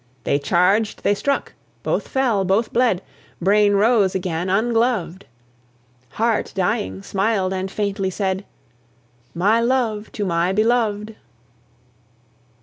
VI. They charged, they struck; both fell, both bled; Brain rose again, ungloved; Heart, dying, smiled and faintly said, "My love to my beloved."